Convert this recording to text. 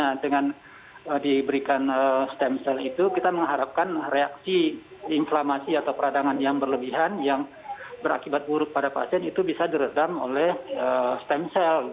nah dengan diberikan stem cell itu kita mengharapkan reaksi inflamasi atau peradangan yang berlebihan yang berakibat buruk pada pasien itu bisa diredam oleh stem cell